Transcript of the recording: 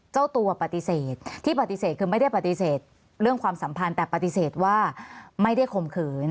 เจ้าตัวปฏิเสธที่ปฏิเสธคือไม่ได้ปฏิเสธเรื่องความสัมพันธ์แต่ปฏิเสธว่าไม่ได้ข่มขืน